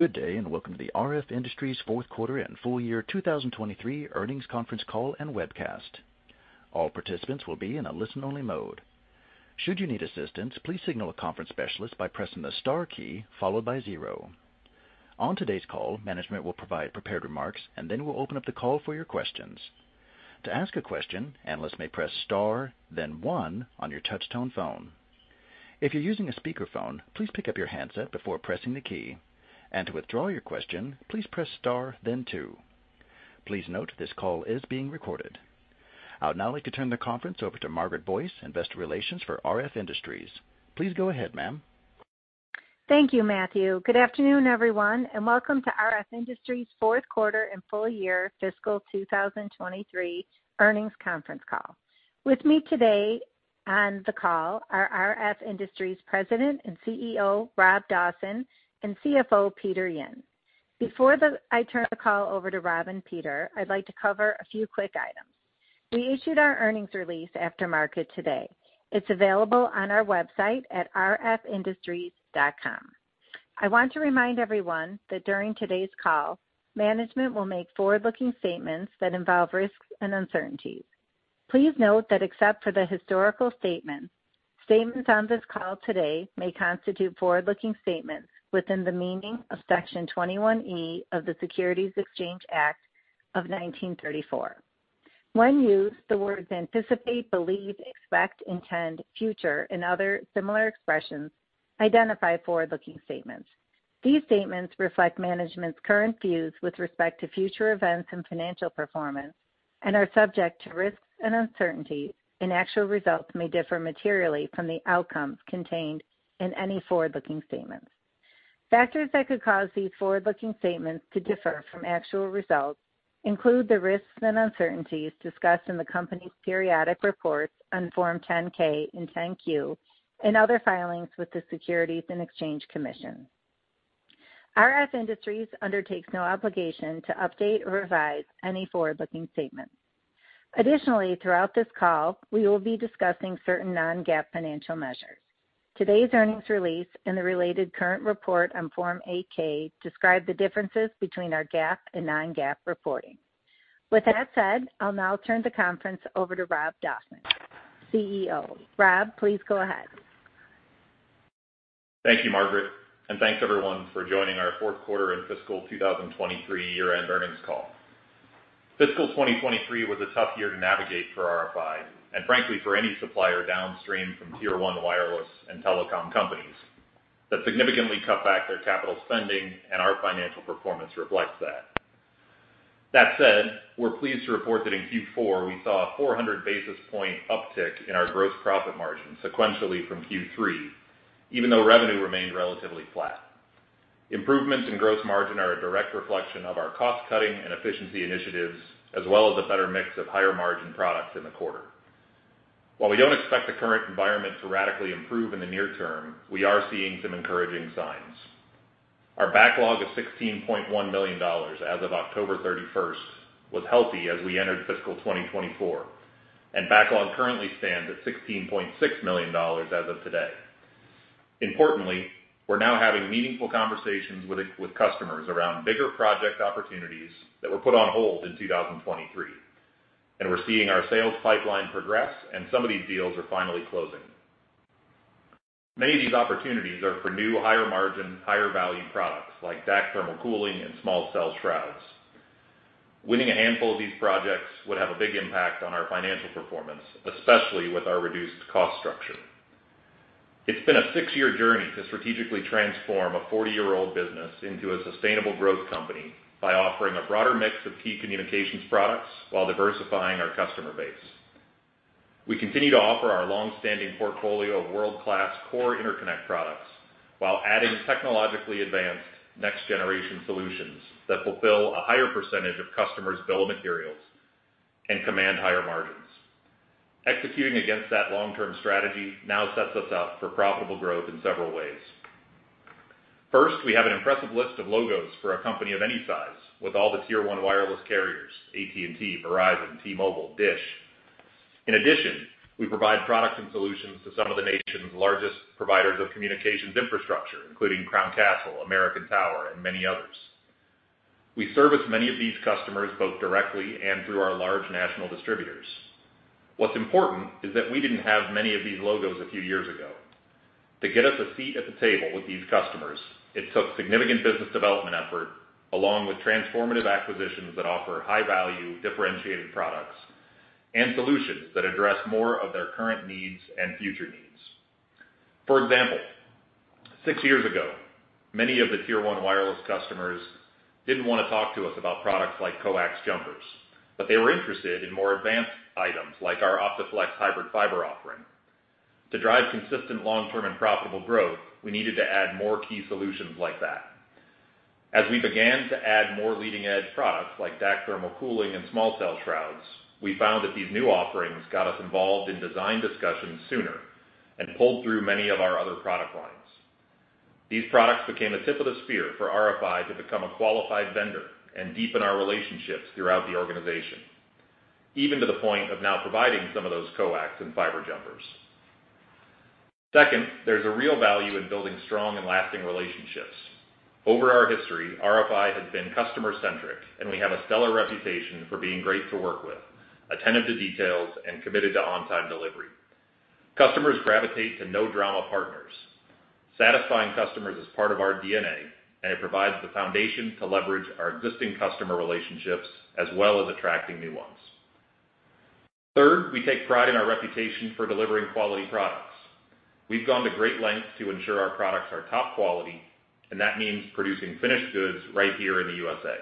Good day, and welcome to the RF Industries fourth quarter and full year 2023 earnings conference call and webcast. All participants will be in a listen-only mode. Should you need assistance, please signal a conference specialist by pressing the star key followed by zero. On today's call, management will provide prepared remarks, and then we'll open up the call for your questions. To ask a question, analysts may press star, then one on your touchtone phone. If you're using a speakerphone, please pick up your handset before pressing the key, and to withdraw your question, please press star then two. Please note this call is being recorded. I would now like to turn the conference over to Margaret Boyce, Investor Relations for RF Industries. Please go ahead, ma'am. Thank you, Matthew. Good afternoon, everyone, and welcome to RF Industries fourth quarter and full year fiscal 2023 earnings conference call. With me today on the call are RF Industries' President and CEO, Rob Dawson, and CFO, Peter Yin. Before I turn the call over to Rob and Peter, I'd like to cover a few quick items. We issued our earnings release after market today. It's available on our website at rfindustries.com. I want to remind everyone that during today's call, management will make forward-looking statements that involve risks and uncertainties. Please note that except for the historical statement, statements on this call today may constitute forward-looking statements within the meaning of Section 21E of the Securities Exchange Act of 1934. When used, the words anticipate, believe, expect, intend, future, and other similar expressions identify forward-looking statements. These statements reflect management's current views with respect to future events and financial performance and are subject to risks and uncertainty, and actual results may differ materially from the outcomes contained in any forward-looking statements. Factors that could cause these forward-looking statements to differ from actual results include the risks and uncertainties discussed in the company's periodic reports on Form 10-K and 10-Q and other filings with the Securities and Exchange Commission. RF Industries undertakes no obligation to update or revise any forward-looking statement. Additionally, throughout this call, we will be discussing certain non-GAAP financial measures. Today's earnings release and the related current report on Form 8-K describe the differences between our GAAP and non-GAAP reporting. With that said, I'll now turn the conference over to Rob Dawson, CEO. Rob, please go ahead. Thank you, Margaret, and thanks, everyone, for joining our fourth quarter and fiscal 2023 year-end earnings call. Fiscal 2023 was a tough year to navigate for RFI and frankly, for any supplier downstream from Tier One wireless and telecom companies that significantly cut back their capital spending, and our financial performance reflects that. That said, we're pleased to report that in Q4, we saw a 400 basis point uptick in our gross profit margin sequentially from Q3, even though revenue remained relatively flat. Improvements in gross margin are a direct reflection of our cost-cutting and efficiency initiatives, as well as a better mix of higher-margin products in the quarter. While we don't expect the current environment to radically improve in the near term, we are seeing some encouraging signs. Our backlog of $16.1 million as of October 31, was healthy as we entered fiscal 2024, and backlog currently stands at $16.6 million as of today. Importantly, we're now having meaningful conversations with customers around bigger project opportunities that were put on hold in 2023, and we're seeing our sales pipeline progress and some of these deals are finally closing. Many of these opportunities are for new, higher margin, higher value products like DAC thermal cooling and Small Cell Shrouds. Winning a handful of these projects would have a big impact on our financial performance, especially with our reduced cost structure. It's been a six-year journey to strategically transform a 40-year-old business into a sustainable growth company by offering a broader mix of key communications products while diversifying our customer base. We continue to offer our long-standing portfolio of world-class core interconnect products while adding technologically advanced next-generation solutions that fulfill a higher percentage of customers' bill of materials and command higher margins. Executing against that long-term strategy now sets us up for profitable growth in several ways. First, we have an impressive list of logos for a company of any size with all the Tier One wireless carriers, AT&T, Verizon, T-Mobile, DISH. In addition, we provide products and solutions to some of the nation's largest providers of communications infrastructure, including Crown Castle, American Tower, and many others. We service many of these customers, both directly and through our large national distributors. What's important is that we didn't have many of these logos a few years ago. To get us a seat at the table with these customers, it took significant business development effort, along with transformative acquisitions that offer high-value, differentiated products and solutions that address more of their current needs and future needs. For example, six years ago, many of the Tier One wireless customers didn't want to talk to us about products like coax jumpers, but they were interested in more advanced items like our OptiFlex hybrid fiber offering. To drive consistent long-term and profitable growth, we needed to add more key solutions like that. As we began to add more leading-edge products like DAC thermal cooling and small cell shrouds, we found that these new offerings got us involved in design discussions sooner and pulled through many of our other product lines. These products became a tip of the spear for RFI to become a qualified vendor and deepen our relationships throughout the organization, even to the point of now providing some of those coax and fiber jumpers... Second, there's a real value in building strong and lasting relationships. Over our history, RFI has been customer-centric, and we have a stellar reputation for being great to work with, attentive to details, and committed to on-time delivery. Customers gravitate to no-drama partners. Satisfying customers is part of our DNA, and it provides the foundation to leverage our existing customer relationships as well as attracting new ones. Third, we take pride in our reputation for delivering quality products. We've gone to great lengths to ensure our products are top quality, and that means producing finished goods right here in the USA.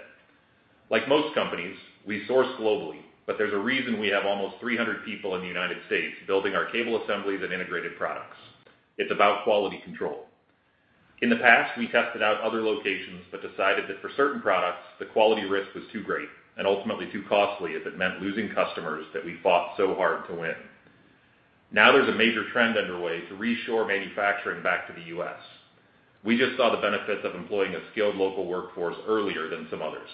Like most companies, we source globally, but there's a reason we have almost 300 people in the United States building our cable assemblies and integrated products. It's about quality control. In the past, we tested out other locations, but decided that for certain products, the quality risk was too great and ultimately too costly, as it meant losing customers that we fought so hard to win. Now there's a major trend underway to reshore manufacturing back to the U.S. We just saw the benefits of employing a skilled local workforce earlier than some others.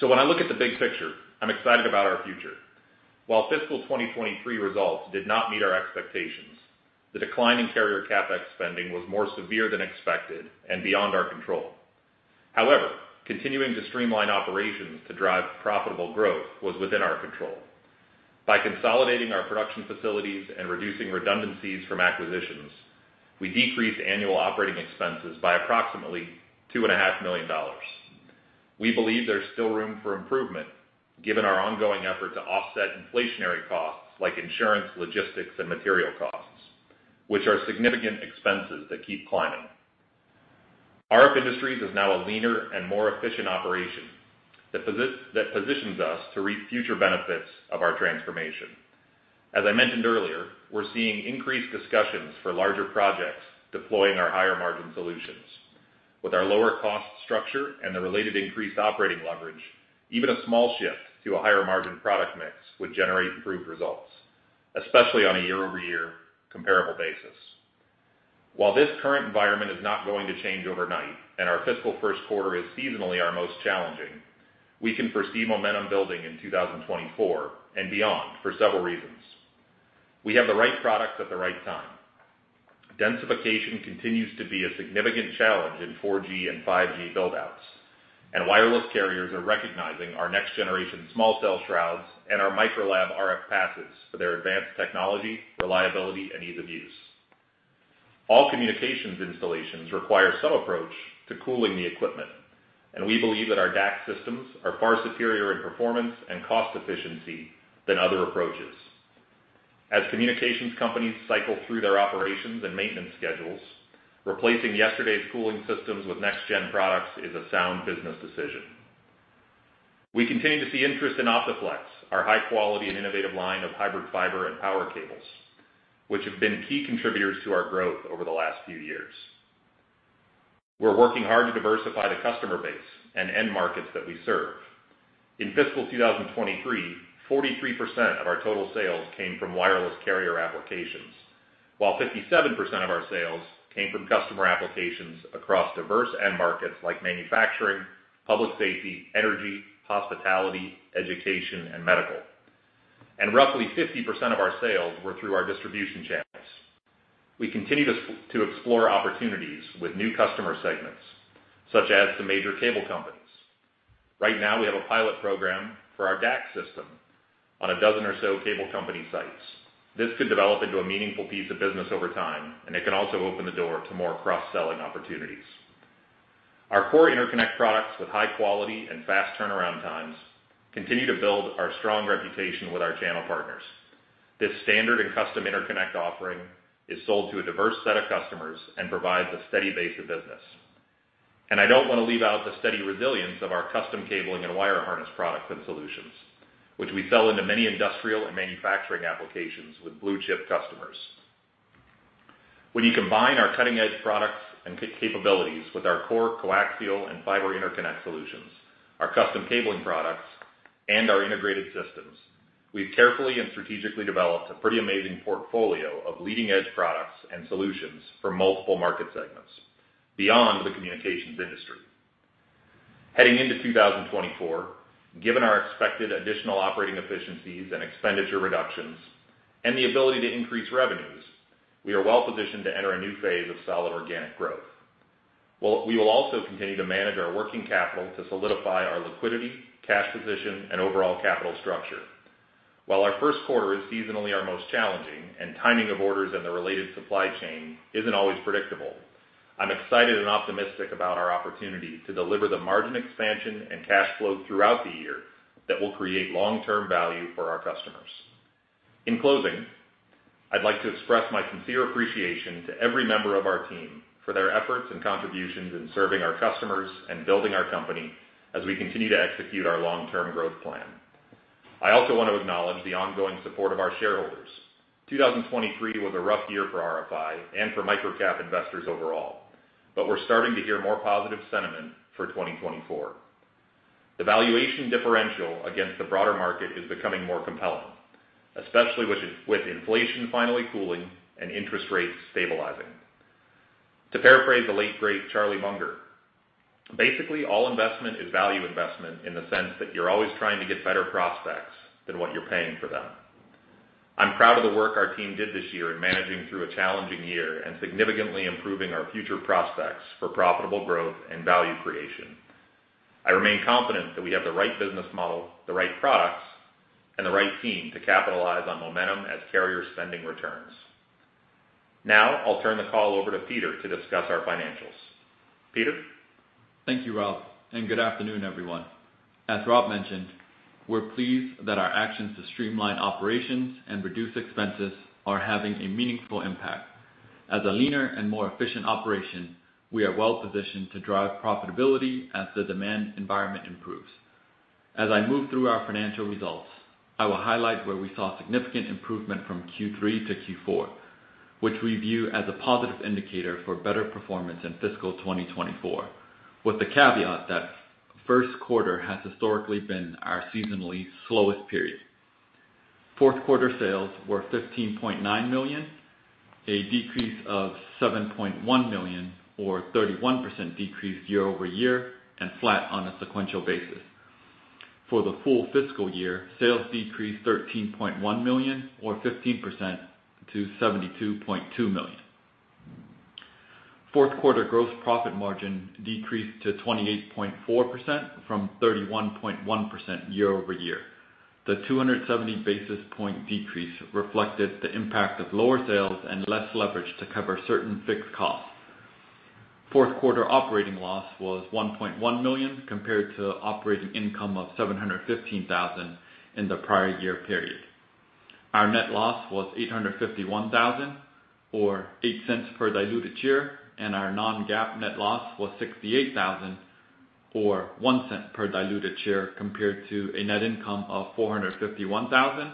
So when I look at the big picture, I'm excited about our future. While fiscal 2023 results did not meet our expectations, the decline in carrier CapEx spending was more severe than expected and beyond our control. However, continuing to streamline operations to drive profitable growth was within our control. By consolidating our production facilities and reducing redundancies from acquisitions, we decreased annual operating expenses by approximately $2.5 million. We believe there's still room for improvement, given our ongoing effort to offset inflationary costs like insurance, logistics, and material costs, which are significant expenses that keep climbing. RF Industries is now a leaner and more efficient operation that positions us to reap future benefits of our transformation. As I mentioned earlier, we're seeing increased discussions for larger projects deploying our higher-margin solutions. With our lower cost structure and the related increased operating leverage, even a small shift to a higher-margin product mix would generate improved results, especially on a year-over-year comparable basis. While this current environment is not going to change overnight and our fiscal first quarter is seasonally our most challenging, we can foresee momentum building in 2024 and beyond for several reasons. We have the right products at the right time. Densification continues to be a significant challenge in 4G and 5G build-outs, and wireless carriers are recognizing our next-generation Small Cell Shrouds and our Microlab RF passives for their advanced technology, reliability, and ease of use. All communications installations require some approach to cooling the equipment, and we believe that our DAC systems are far superior in performance and cost efficiency than other approaches. As communications companies cycle through their operations and maintenance schedules, replacing yesterday's cooling systems with next-gen products is a sound business decision. We continue to see interest in OptiFlex, our high quality and innovative line of hybrid fiber and power cables, which have been key contributors to our growth over the last few years. We're working hard to diversify the customer base and end markets that we serve. In fiscal 2023, 43% of our total sales came from wireless carrier applications, while 57% of our sales came from customer applications across diverse end markets like manufacturing, public safety, energy, hospitality, education, and medical. Roughly 50% of our sales were through our distribution channels. We continue to explore opportunities with new customer segments, such as the major cable companies. Right now, we have a pilot program for our DAC system on 12 or so cable company sites. This could develop into a meaningful piece of business over time, and it can also open the door to more cross-selling opportunities. Our core interconnect products with high quality and fast turnaround times continue to build our strong reputation with our channel partners. This standard and custom interconnect offering is sold to a diverse set of customers and provides a steady base of business. I don't want to leave out the steady resilience of our custom cabling and wire harness products and solutions, which we sell into many industrial and manufacturing applications with blue-chip customers. When you combine our cutting-edge products and capabilities with our core coaxial and fiber interconnect solutions, our custom cabling products, and our integrated systems, we've carefully and strategically developed a pretty amazing portfolio of leading-edge products and solutions for multiple market segments beyond the communications industry. Heading into 2024, given our expected additional operating efficiencies and expenditure reductions and the ability to increase revenues, we are well positioned to enter a new phase of solid organic growth. Well, we will also continue to manage our working capital to solidify our liquidity, cash position, and overall capital structure. While our first quarter is seasonally our most challenging and timing of orders and the related supply chain isn't always predictable, I'm excited and optimistic about our opportunity to deliver the margin expansion and cash flow throughout the year that will create long-term value for our customers. In closing, I'd like to express my sincere appreciation to every member of our team for their efforts and contributions in serving our customers and building our company as we continue to execute our long-term growth plan. I also want to acknowledge the ongoing support of our shareholders. 2023 was a rough year for RFI and for microcap investors overall, but we're starting to hear more positive sentiment for 2024. The valuation differential against the broader market is becoming more compelling, especially with inflation finally cooling and interest rates stabilizing... To paraphrase the late great Charlie Munger, basically, all investment is value investment in the sense that you're always trying to get better prospects than what you're paying for them. I'm proud of the work our team did this year in managing through a challenging year and significantly improving our future prospects for profitable growth and value creation. I remain confident that we have the right business model, the right products, and the right team to capitalize on momentum as carrier spending returns. Now, I'll turn the call over to Peter to discuss our financials. Peter? Thank you, Rob, and good afternoon, everyone. As Rob mentioned, we're pleased that our actions to streamline operations and reduce expenses are having a meaningful impact. As a leaner and more efficient operation, we are well positioned to drive profitability as the demand environment improves. As I move through our financial results, I will highlight where we saw significant improvement from Q3 to Q4, which we view as a positive indicator for better performance in fiscal 2024, with the caveat that first quarter has historically been our seasonally slowest period. Fourth quarter sales were $15.9 million, a decrease of $7.1 million, or 31% decrease year-over-year, and flat on a sequential basis. For the full fiscal year, sales decreased $13.1 million or 15% to $72.2 million. Fourth quarter gross profit margin decreased to 28.4% from 31.1% year-over-year. The 270 basis point decrease reflected the impact of lower sales and less leverage to cover certain fixed costs. Fourth quarter operating loss was $1.1 million, compared to operating income of $715,000 in the prior year period. Our net loss was $851,000, or $0.08 per diluted share, and our non-GAAP net loss was $68,000, or $0.01 per diluted share, compared to a net income of $451,000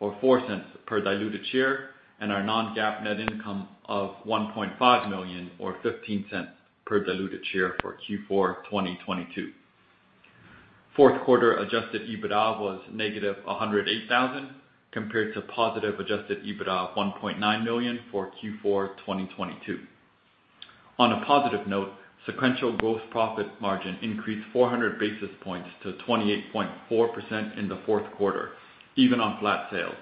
or $0.04 per diluted share, and our non-GAAP net income of $1.5 million or $0.15 per diluted share for Q4 2022. Fourth quarter adjusted EBITDA was -$108,000, compared to positive adjusted EBITDA of $1.9 million for Q4 2022. On a positive note, sequential gross profit margin increased 400 basis points to 28.4% in the fourth quarter, even on flat sales.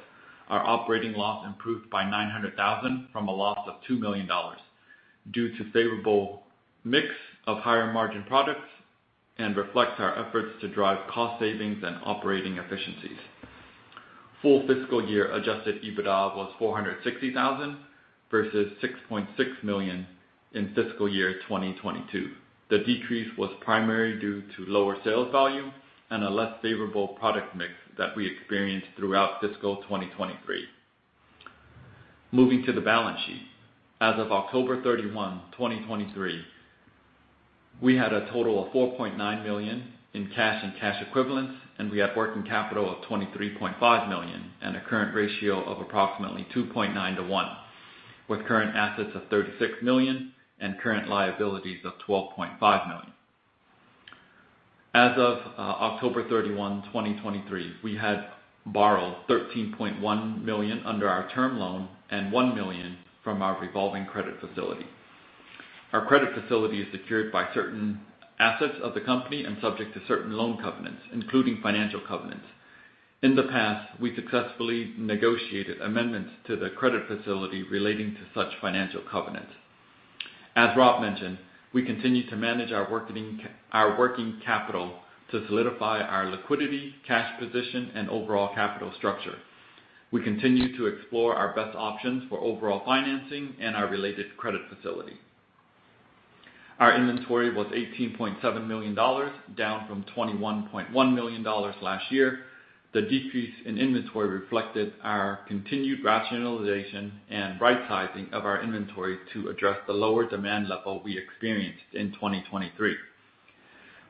Our operating loss improved by $900,000 from a loss of $2 million, due to favorable mix of higher-margin products and reflects our efforts to drive cost savings and operating efficiencies. Full fiscal year adjusted EBITDA was $460,000 versus $6.6 million in fiscal year 2022. The decrease was primarily due to lower sales volume and a less favorable product mix that we experienced throughout fiscal 2023. Moving to the balance sheet. As of October 31, 2023, we had a total of $4.9 million in cash and cash equivalents, and we had working capital of $23.5 million and a current ratio of approximately 2.9:1, with current assets of $36 million and current liabilities of $12.5 million. As of October 31, 2023, we had borrowed $13.1 million under our term loan and $1 million from our revolving credit facility. Our credit facility is secured by certain assets of the company and subject to certain loan covenants, including financial covenants. In the past, we successfully negotiated amendments to the credit facility relating to such financial covenants. As Rob mentioned, we continue to manage our working capital to solidify our liquidity, cash position, and overall capital structure. We continue to explore our best options for overall financing and our related credit facility. Our inventory was $18.7 million, down from $21.1 million last year. The decrease in inventory reflected our continued rationalization and right sizing of our inventory to address the lower demand level we experienced in 2023.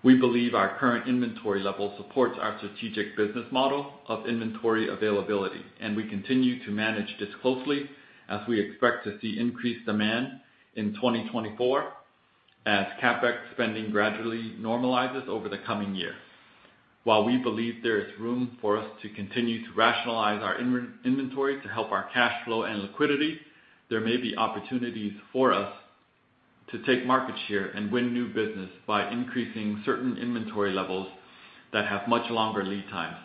We believe our current inventory level supports our strategic business model of inventory availability, and we continue to manage this closely as we expect to see increased demand in 2024 as CapEx spending gradually normalizes over the coming years. While we believe there is room for us to continue to rationalize our inventory to help our cash flow and liquidity, there may be opportunities for us to take market share and win new business by increasing certain inventory levels that have much longer lead times.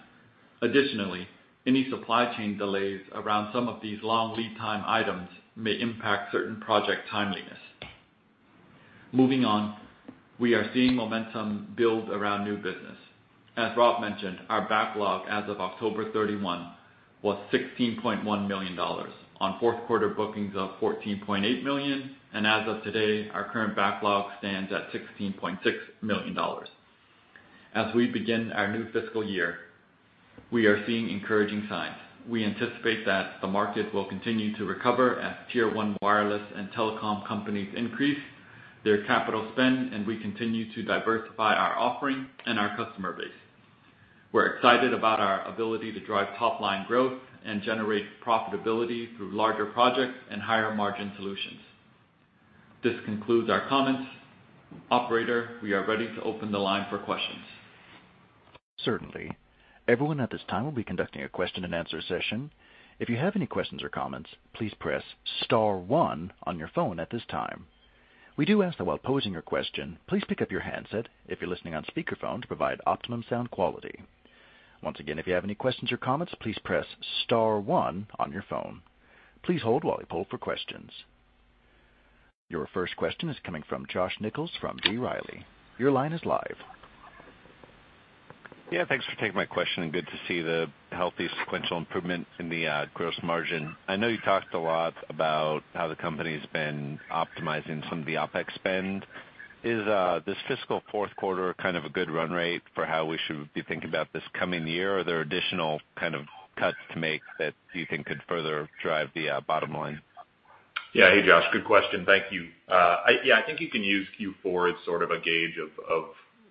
Additionally, any supply chain delays around some of these long lead time items may impact certain project timeliness. Moving on, we are seeing momentum build around new business. As Rob mentioned, our backlog as of October 31, was $16.1 million on fourth quarter bookings of $14.8 million, and as of today, our current backlog stands at $16.6 million. As we begin our new fiscal year, we are seeing encouraging signs. We anticipate that the market will continue to recover as Tier One wireless and telecom companies increase their capital spend, and we continue to diversify our offering and our customer base. We're excited about our ability to drive top-line growth and generate profitability through larger projects and higher-margin solutions. This concludes our comments. Operator, we are ready to open the line for questions. ...Certainly. Everyone at this time will be conducting a question and answer session. If you have any questions or comments, please press star one on your phone at this time. We do ask that while posing your question, please pick up your handset if you're listening on speakerphone, to provide optimum sound quality. Once again, if you have any questions or comments, please press star one on your phone. Please hold while we poll for questions. Your first question is coming from Josh Nichols from B. Riley. Your line is live. Yeah, thanks for taking my question and good to see the healthy sequential improvement in the gross margin. I know you talked a lot about how the company's been optimizing some of the OPEX spend. Is this fiscal fourth quarter kind of a good run rate for how we should be thinking about this coming year? Or are there additional kind of cuts to make that you think could further drive the bottom line? Yeah. Hey, Josh, good question. Thank you. Yeah, I think you can use Q4 as sort of a gauge of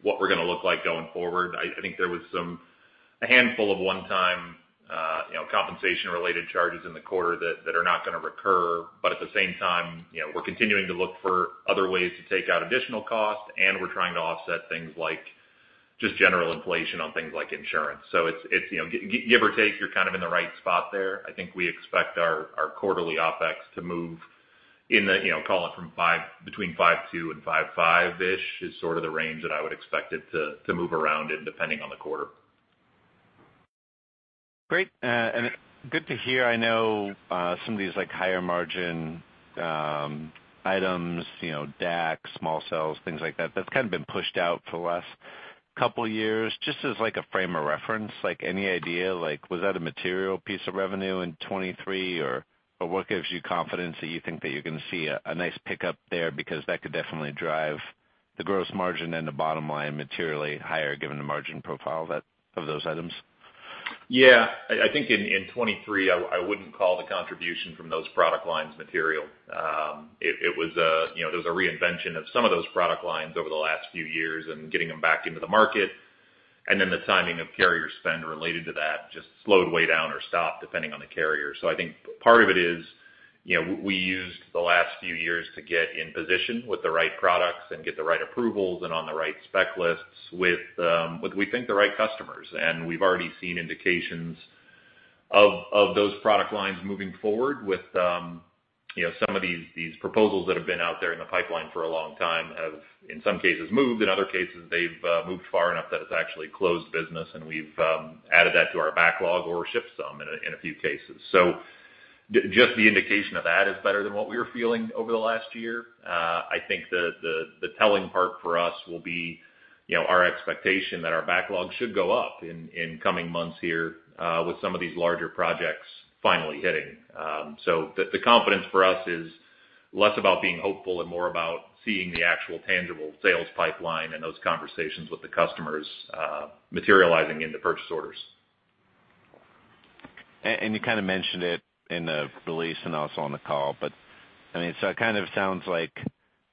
what we're gonna look like going forward. I think there was some, a handful of one-time, you know, compensation-related charges in the quarter that are not gonna recur. But at the same time, you know, we're continuing to look for other ways to take out additional cost, and we're trying to offset things like just general inflation on things like insurance. So it's, you know, give or take, you're kind of in the right spot there. I think we expect our quarterly OPEX to move in the, you know, call it from $5, between $5.2 and $5.5-ish, is sort of the range that I would expect it to move around in, depending on the quarter. Great. And good to hear. I know some of these, like, higher margin items, you know, DAC, small cells, things like that, that's kind of been pushed out for the last couple years. Just as, like, a frame of reference, like, any idea, like, was that a material piece of revenue in 2023? Or what gives you confidence that you think that you're gonna see a nice pickup there, because that could definitely drive the gross margin and the bottom line materially higher, given the margin profile that of those items. Yeah. I think in 2023, I wouldn't call the contribution from those product lines material. It was, you know, there was a reinvention of some of those product lines over the last few years and getting them back into the market, and then the timing of carrier spend related to that just slowed way down or stopped, depending on the carrier. So I think part of it is, you know, we used the last few years to get in position with the right products and get the right approvals and on the right spec lists with what we think the right customers. And we've already seen indications of those product lines moving forward with, you know, some of these proposals that have been out there in the pipeline for a long time have, in some cases, moved. In other cases, they've moved far enough that it's actually closed business, and we've added that to our backlog or shipped some in a few cases. So just the indication of that is better than what we were feeling over the last year. I think the telling part for us will be, you know, our expectation that our backlog should go up in coming months here, with some of these larger projects finally hitting. So the confidence for us is less about being hopeful and more about seeing the actual tangible sales pipeline and those conversations with the customers materializing into purchase orders. And you kind of mentioned it in the release and also on the call, but, I mean, so it kind of sounds like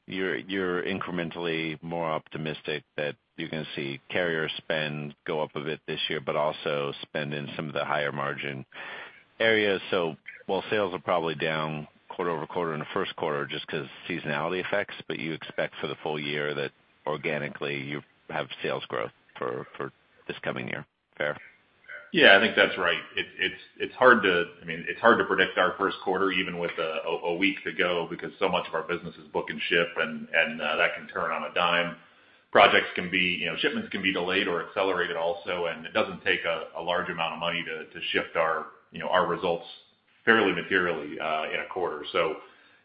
you're incrementally more optimistic that you're gonna see carrier spend go up a bit this year, but also spend in some of the higher margin areas. So while sales are probably down quarter over quarter in the first quarter, just 'cause seasonality effects, but you expect for the full year that organically you have sales growth for this coming year. Fair? Yeah, I think that's right. It's hard to... I mean, it's hard to predict our first quarter, even with a week to go, because so much of our business is book and ship, and that can turn on a dime. Projects can be, you know, shipments can be delayed or accelerated also, and it doesn't take a large amount of money to shift our, you know, our results fairly materially in a quarter. So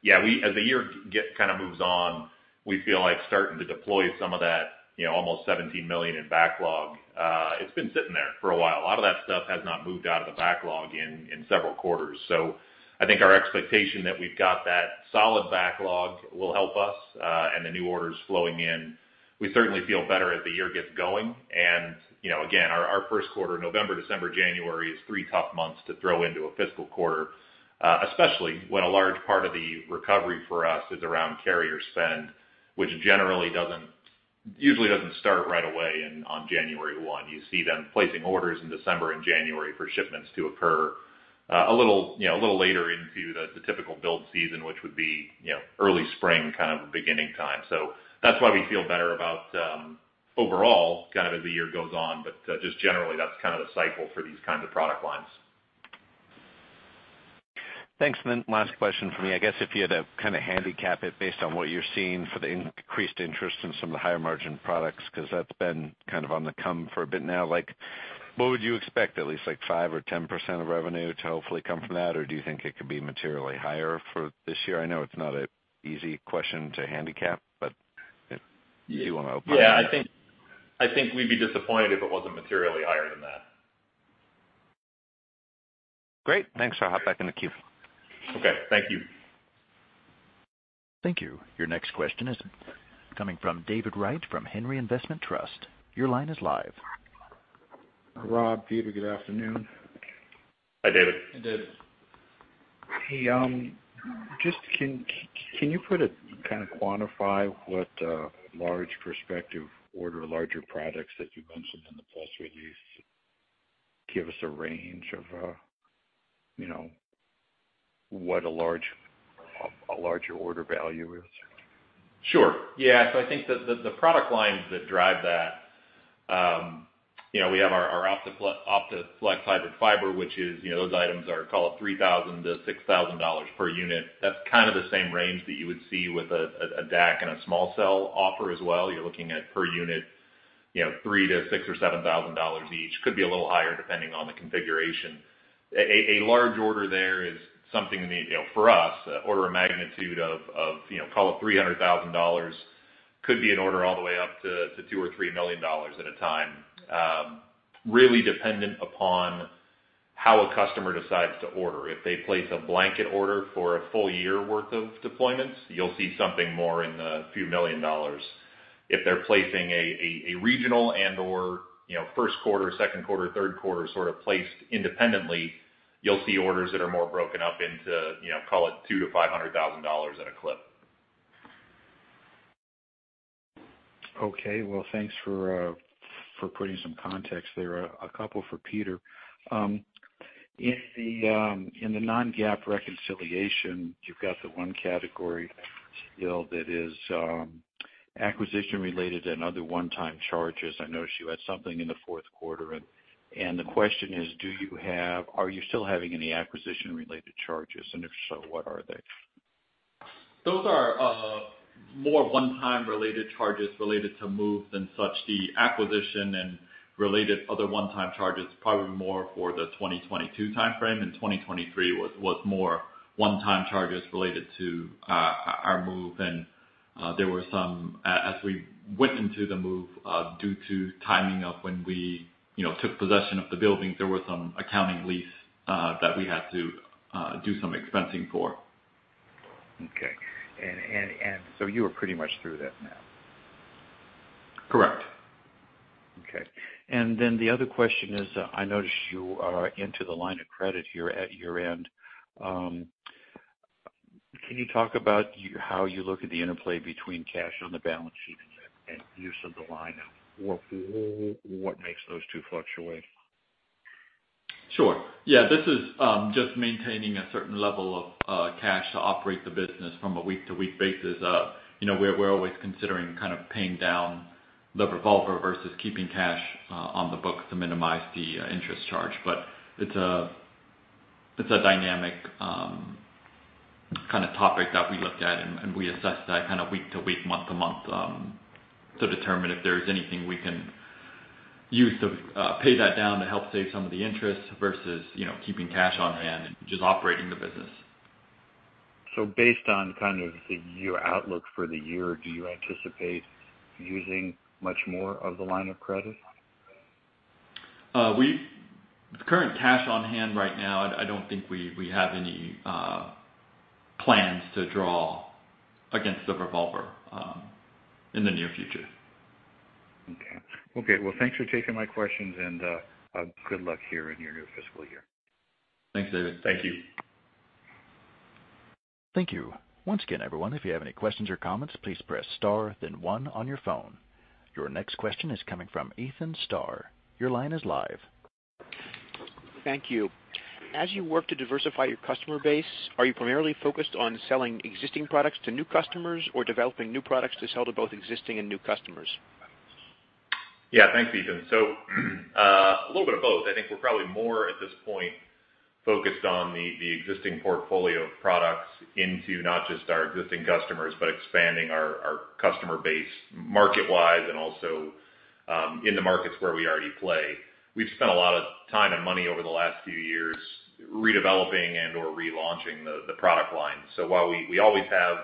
yeah, we, as the year gets, kind of moves on, we feel like starting to deploy some of that, you know, almost $17 million in backlog. It's been sitting there for a while. A lot of that stuff has not moved out of the backlog in several quarters. So I think our expectation that we've got that solid backlog will help us, and the new orders flowing in. We certainly feel better as the year gets going, and, you know, again, our, our first quarter, November, December, January, is three tough months to throw into a fiscal quarter, especially when a large part of the recovery for us is around carrier spend, which generally doesn't - usually doesn't start right away in, on January one. You see them placing orders in December and January for shipments to occur, a little, you know, a little later into the, the typical build season, which would be, you know, early spring, kind of a beginning time. So that's why we feel better about, overall, kind of as the year goes on. But, just generally, that's kind of the cycle for these kinds of product lines. Thanks. Then last question for me. I guess if you had to kind of handicap it based on what you're seeing for the increased interest in some of the higher margin products, 'cause that's been kind of on the come for a bit now, like, what would you expect, at least, like, 5% or 10% of revenue to hopefully come from that? Or do you think it could be materially higher for this year? I know it's not an easy question to handicap, but if you want to- Yeah, I think, I think we'd be disappointed if it wasn't materially higher than that. Great. Thanks. I'll hop back in the queue. Okay, thank you. Thank you. Your next question is coming from David Wright, from Henry Investment Trust. Your line is live. Rob, Peter, good afternoon. Hi, David. Hey, David. Hey, just, can you kind of quantify what large prospective order, larger products that you mentioned in the press release? Give us a range of, you know, what a large, larger order value is? Sure, yeah. So I think the product lines that drive that, you know, we have our OptiFlex hybrid fiber, which is, you know, those items are, call it $3,000-$6,000 per unit. That's kind of the same range that you would see with a DAC and a small cell offer as well. You're looking at per unit, you know, $3,000-$7,000 each. Could be a little higher, depending on the configuration. A large order there is something in the, you know, for us, order of magnitude of, you know, call it $300,000, could be an order all the way up to $2 million-$3 million at a time. Really dependent upon how a customer decides to order. If they place a blanket order for a full year worth of deployments, you'll see something more in the few million dollars. If they're placing a regional and/or, you know, first quarter, second quarter, third quarter, sort of placed independently, you'll see orders that are more broken up into, you know, call it $200,000-$500,000 at a clip. Okay. Well, thanks for putting some context there. A couple for Peter. In the non-GAAP reconciliation, you've got the one category still that is acquisition-related and other one-time charges. I noticed you had something in the fourth quarter, and the question is: Do you have—are you still having any acquisition-related charges, and if so, what are they? Those are more one-time related charges related to move than such. The acquisition and related other one-time charge is probably more for the 2022 timeframe, and 2023 was more one-time charges related to our move. And there were some, as we went into the move, due to timing of when we, you know, took possession of the building, there were some accounting lease that we had to do some expensing for. Okay. And so you are pretty much through that now? Correct. Okay. And then the other question is, I noticed you are into the line of credit here at year-end. Can you talk about how you look at the interplay between cash on the balance sheet and use of the line of credit, what makes those two fluctuate? Sure. Yeah, this is just maintaining a certain level of cash to operate the business from a week-to-week basis. You know, we're always considering kind of paying down the revolver versus keeping cash on the books to minimize the interest charge. But it's a dynamic kind of topic that we look at, and we assess that kind of week to week, month to month, to determine if there's anything we can use to pay that down to help save some of the interest versus, you know, keeping cash on hand and just operating the business. Based on kind of the your outlook for the year, do you anticipate using much more of the line of credit? With current cash on hand right now, I don't think we have any plans to draw against the revolver in the near future. Okay. Okay, well, thanks for taking my questions and good luck here in your new fiscal year. Thanks, David. Thank you. Thank you. Once again, everyone, if you have any questions or comments, please press star, then one on your phone. Your next question is coming from Ethan Starr. Your line is live. Thank you. As you work to diversify your customer base, are you primarily focused on selling existing products to new customers or developing new products to sell to both existing and new customers? Yeah, thanks, Ethan. So, a little bit of both. I think we're probably more, at this point, focused on the existing portfolio of products into not just our existing customers, but expanding our customer base market-wise and also in the markets where we already play. We've spent a lot of time and money over the last few years redeveloping and/or relaunching the product line. So while we always have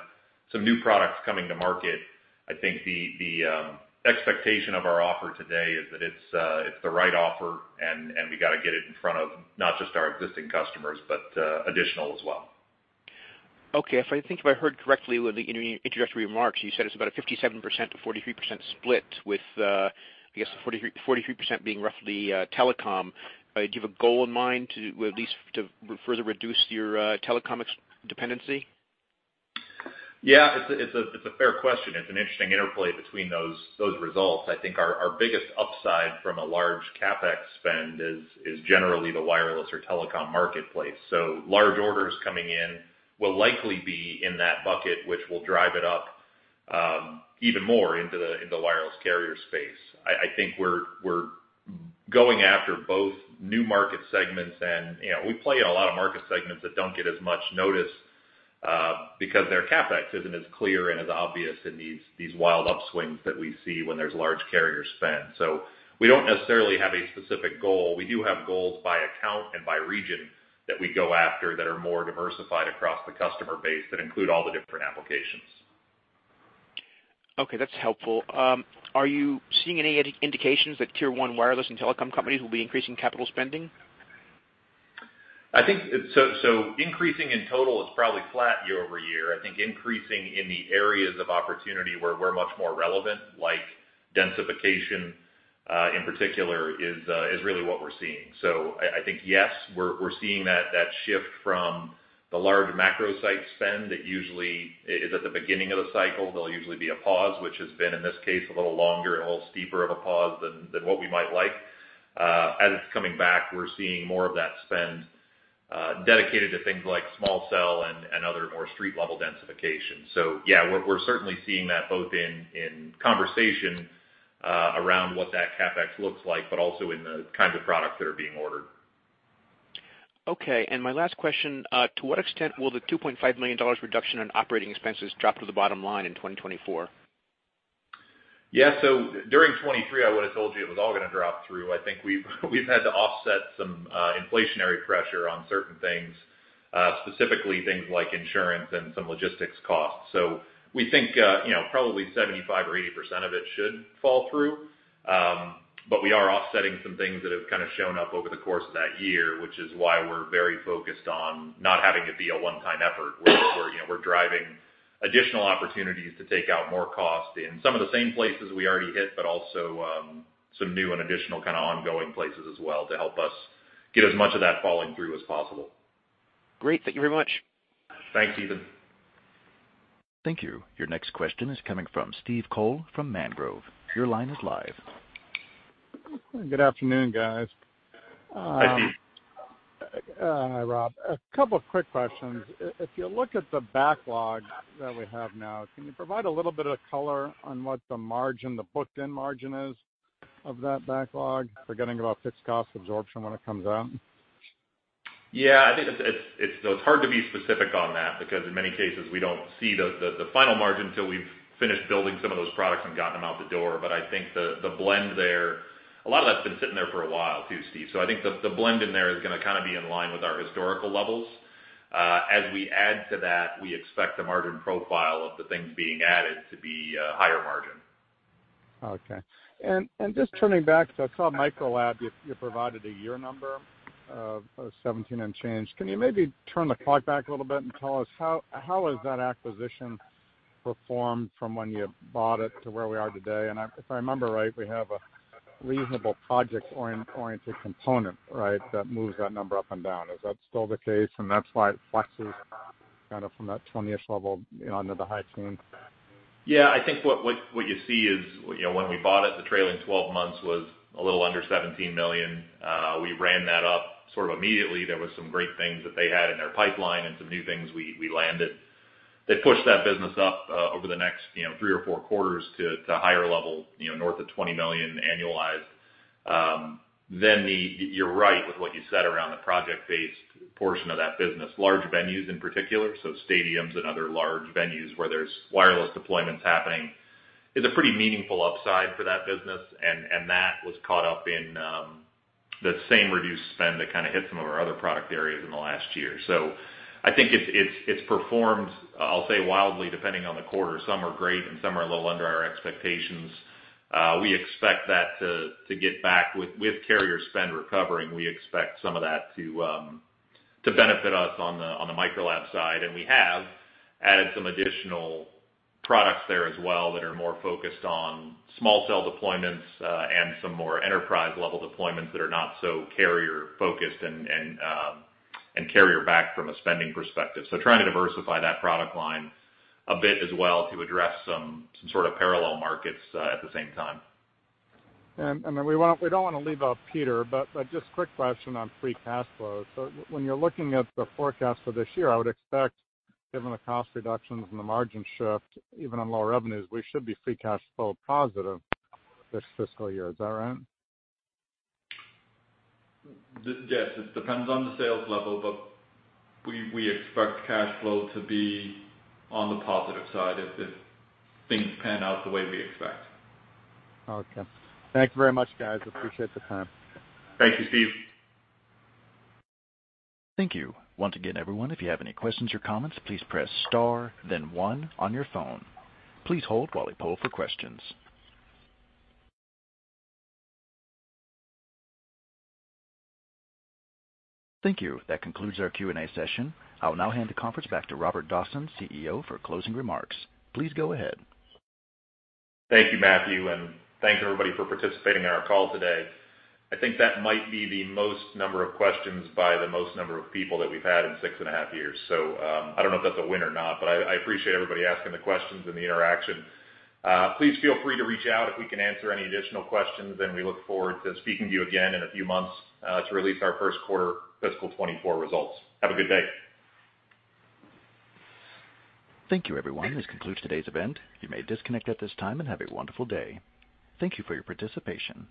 some new products coming to market, I think the expectation of our offer today is that it's the right offer, and we got to get it in front of not just our existing customers, but additional as well. Okay. If I think I heard correctly with the introductory remarks, you said it's about a 57%-43% split, with, I guess, 43% being roughly telecom. Do you have a goal in mind to at least further reduce your telecom dependency? Yeah, it's a fair question. It's an interesting interplay between those results. I think our biggest upside from a large CapEx spend is generally the wireless or telecom marketplace. So large orders coming in will likely be in that bucket, which will drive it up even more into the wireless carrier space. I think we're going after both new market segments and, you know, we play in a lot of market segments that don't get as much notice because their CapEx isn't as clear and as obvious in these wild upswings that we see when there's large carrier spend. So we don't necessarily have a specific goal. We do have goals by account and by region that we go after that are more diversified across the customer base, that include all the different applications. Okay, that's helpful. Are you seeing any indications that Tier One wireless and telecom companies will be increasing capital spending? I think it's so increasing in total is probably flat year-over-year. I think increasing in the areas of opportunity where we're much more relevant, like densification, in particular, is really what we're seeing. So I think, yes, we're seeing that shift from the large Macro Site spend that usually is at the beginning of the cycle. There'll usually be a pause, which has been, in this case, a little longer and a little steeper of a pause than what we might like. As it's coming back, we're seeing more of that spend dedicated to things like Small Cell and other more street-level densification. So yeah, we're certainly seeing that both in conversation around what that CapEx looks like, but also in the kinds of products that are being ordered. Okay. And my last question, to what extent will the $2.5 million reduction in operating expenses drop to the bottom line in 2024? Yeah, so during 2023, I would have told you it was all gonna drop through. I think we've, we've had to offset some, inflationary pressure on certain things, specifically things like insurance and some logistics costs. So we think, you know, probably 75% or 80% of it should fall through. But we are offsetting some things that have kind of shown up over the course of that year, which is why we're very focused on not having it be a one-time effort, where, you know, we're driving additional opportunities to take out more cost in some of the same places we already hit, but also, some new and additional kind of ongoing places as well to help us get as much of that falling through as possible. Great. Thank you very much. Thanks, Ethan. Thank you. Your next question is coming from Steve Kohl from Mangrove. Your line is live. Good afternoon, guys. Hi, Steve. Hi, Rob. A couple of quick questions. If you look at the backlog that we have now, can you provide a little bit of color on what the margin, the booked-in margin is of that backlog, forgetting about fixed cost absorption when it comes out? Yeah, I think it's so it's hard to be specific on that, because in many cases, we don't see the final margin till we've finished building some of those products and gotten them out the door. But I think the blend there, a lot of that's been sitting there for a while, too, Steve. So I think the blend in there is gonna kind of be in line with our historical levels. As we add to that, we expect the margin profile of the things being added to be higher margin. Okay. And just turning back to, I saw Microlab, you provided a year number of 17 and change. Can you maybe turn the clock back a little bit and tell us how has that acquisition performed from when you bought it to where we are today? And I, if I remember right, we have a reasonable project-oriented component, right, that moves that number up and down. Is that still the case? And that's why it fluxes kind of from that 20-ish level, you know, into the high teens. Yeah, I think what you see is, you know, when we bought it, the trailing twelve months was a little under $17 million. We ran that up sort of immediately. There was some great things that they had in their pipeline and some new things we landed. They pushed that business up over the next, you know, three or four quarters to higher level, you know, north of $20 million annualized. Then the... You're right with what you said around the project-based portion of that business, large venues in particular, so stadiums and other large venues where there's wireless deployments happening, is a pretty meaningful upside for that business, and that was caught up in the same reduced spend that kinda hit some of our other product areas in the last year. So I think it's performed, I'll say, wildly, depending on the quarter. Some are great, and some are a little under our expectations. We expect that to get back with carrier spend recovering. We expect some of that to benefit us on the Microlab side. And we have added some additional products there as well that are more focused on small cell deployments, and some more enterprise-level deployments that are not so carrier-focused and carrier-backed from a spending perspective. So trying to diversify that product line a bit as well to address some sort of parallel markets at the same time. And then we don't want to leave out Peter, but just a quick question on free cash flow. So when you're looking at the forecast for this year, I would expect, given the cost reductions and the margin shift, even on lower revenues, we should be free cash flow positive this fiscal year. Is that right? Yes, it depends on the sales level, but we expect cash flow to be on the positive side if things pan out the way we expect. Okay. Thank you very much, guys. I appreciate the time. Thank you, Steve. Thank you. Once again, everyone, if you have any questions or comments, please press star, then one on your phone. Please hold while we poll for questions. Thank you. That concludes our Q&A session. I will now hand the conference back to Robert Dawson, CEO, for closing remarks. Please go ahead. Thank you, Matthew, and thank you, everybody, for participating in our call today. I think that might be the most number of questions by the most number of people that we've had in 6.5 years. So, I don't know if that's a win or not, but I, I appreciate everybody asking the questions and the interaction. Please feel free to reach out if we can answer any additional questions, and we look forward to speaking to you again in a few months, to release our first quarter fiscal 2024 results. Have a good day. Thank you, everyone. This concludes today's event. You may disconnect at this time and have a wonderful day. Thank you for your participation.